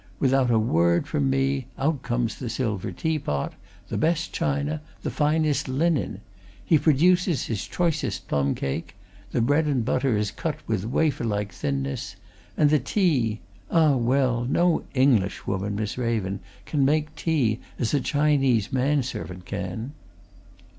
Without a word from me, out comes the silver tea pot, the best china, the finest linen! He produces his choicest plum cake; the bread and butter is cut with wafer like thinness; and the tea ah, well, no Englishwoman, Miss Raven, can make tea as a Chinese man servant can!"